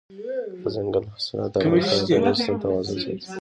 دځنګل حاصلات د افغانستان د طبعي سیسټم توازن ساتي.